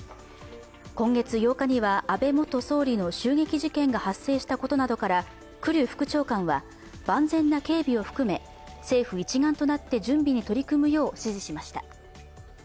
今月８日には安倍元総理の襲撃事件が発生したことなどから栗生副長官は、万全な警備を含め政府一丸となって準備に取り組むよう指示しました。